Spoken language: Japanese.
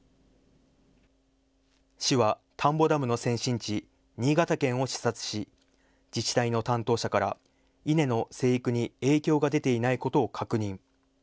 市は田んぼダムの先進地、新潟県を視察し自治体の担当者から稲の生育に影響が出ていないことを確認。